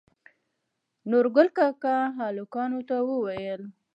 نورګل کاکا هلکانو ته وويل